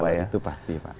kalau gitu pasti pak